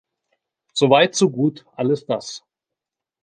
Soweit so gut alles das!